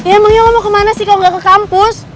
emangnya mau kemana sih kalau nggak ke kampus